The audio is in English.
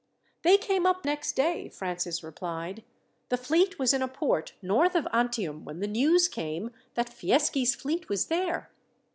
"They came up next day," Francis replied. "The fleet was in a port north of Antium when the news came that Fieschi's fleet was there.